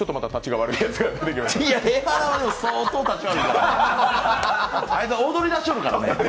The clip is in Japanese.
あいつは踊りだしよるからね。